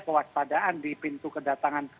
kewatpadaan di pintu kedatangan